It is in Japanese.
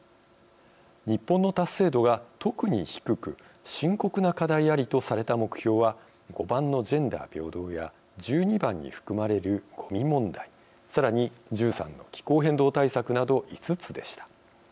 日本の達成度が特に低く深刻な課題ありとされた目標は５番のジェンダー平等や１２番に含まれる、ごみ問題さらに、１３の気候変動対策など５つでした。